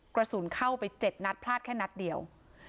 กระสุนเข้าไป๗นัดพลาดแค่นัดเดียว